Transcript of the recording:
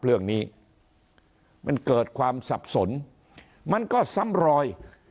เรื่องนี้มันเกิดความสับสนมันก็ซ้ำรอย